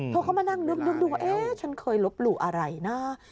เขาก็มานั่งนึกดูว่าเอ๊ะฉันเคยลบหลู่อะไรนะ